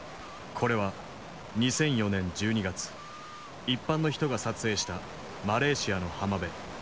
これは２００４年１２月一般の人が撮影したマレーシアの浜辺。